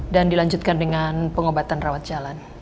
dan dilanjutkan dengan pengobatan rawat jalan